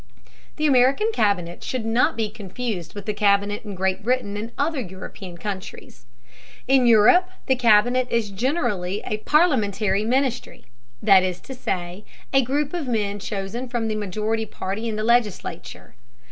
The American Cabinet should not be confused with the Cabinet in Great Britain and other European countries. In Europe the Cabinet is generally a parliamentary ministry, that is to say, a group of men chosen from the majority party in the legislature.